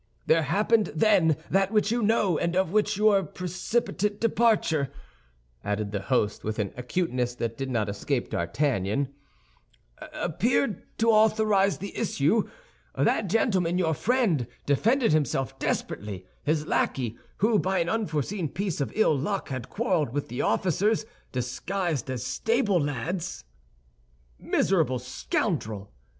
There happened then that which you know, and of which your precipitate departure," added the host, with an acuteness that did not escape D'Artagnan, "appeared to authorize the issue. That gentleman, your friend, defended himself desperately. His lackey, who, by an unforeseen piece of ill luck, had quarreled with the officers, disguised as stable lads—" "Miserable scoundrel!"